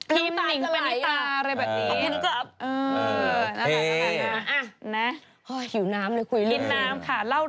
ตายกาไหลเนี่ย